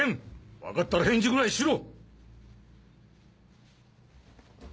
分かったら返事ぐらいしろ！